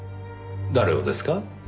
誰をですか？